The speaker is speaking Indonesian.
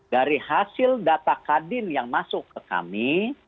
dari hasil data kadin yang masuk ke kami